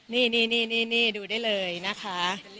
นี่นี่นี่ดูได้เลยนะคะ